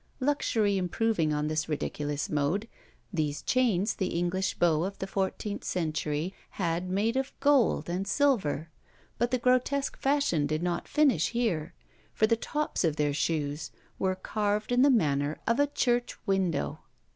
Luxury improving on this ridiculous mode, these chains the English beau of the fourteenth century had made of gold and silver; but the grotesque fashion did not finish here, for the tops of their shoes were carved in the manner of a church window.